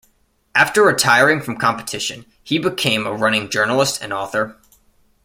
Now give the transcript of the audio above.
After retiring from competition, he became a running journalist and author.